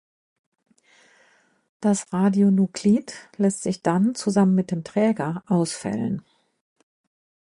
Das Radionuklid lässt sich dann zusammen mit dem Träger ausfällen.